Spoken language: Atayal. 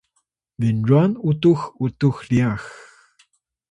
binrwan utux utux ryax